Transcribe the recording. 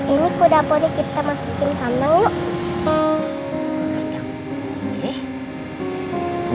ini kuda poni kita masukin sama lo